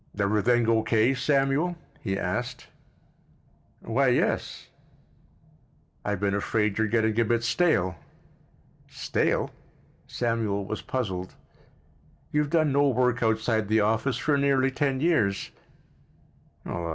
"Everything O. K., Samuel?" he asked. "Why, yes." "I've been afraid you're getting a bit stale." "Stale?" Samuel was puzzled. "You've done no work outside the office for nearly ten years?"